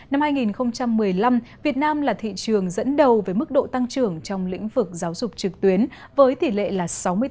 năm hai nghìn một mươi năm việt nam là thị trường dẫn đầu với mức độ tăng trưởng trong lĩnh vực giáo dục trực tuyến với tỷ lệ là sáu mươi tám